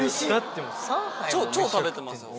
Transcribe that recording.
超食べてますもん。